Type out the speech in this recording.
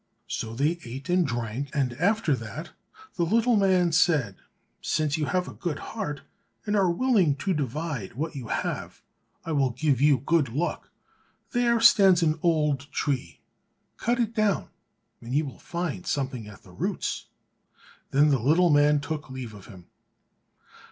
So they ate and drank, and after that the little man said, "Since you have a good heart, and are willing to divide what you have, I will give you good luck. There stands an old tree, cut it down, and you will find something at the roots." Then the little man took leave of him.